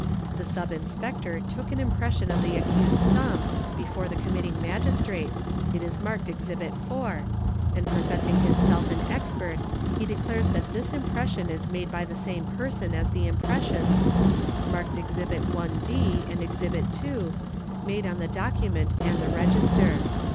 The Sub Inspector took an impression of the accused's thumb before the Committing Magistrate G@t is marked Exhibit 4), and — professing himself an expert he declares that this impression is made by the same person as the impressions, marked Exhibit 1 (d) and Exhibit 2, made on the document and the register.